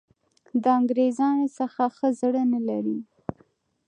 د انګرېزانو څخه ښه زړه نه لري.